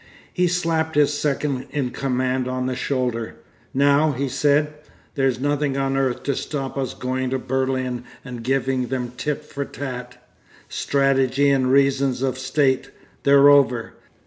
He slapped his second in command on the shoulder. 'Now,' he said, 'there's nothing on earth to stop us going to Berlin and giving them tit for tat.... Strategy and reasons of state—they're over....